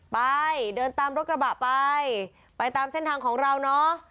ไปเดินตามรถกระบะไปไปตามเส้นทางของเราเนอะ